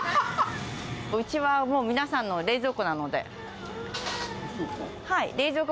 うちはもう、皆さんの冷蔵庫冷蔵庫？